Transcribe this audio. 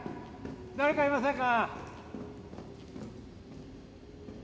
誰かいませんか？